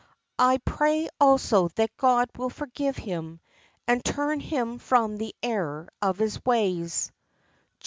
I pray also that God will forgive him, and turn him from the error of his ways.